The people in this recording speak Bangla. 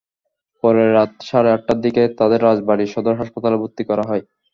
পরে রাত সাড়ে আটটার দিকে তাদের রাজবাড়ী সদর হাসপাতালে ভর্তি করা হয়।